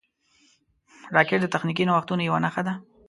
راکټ د تخنیکي نوښتونو یوه نښه ده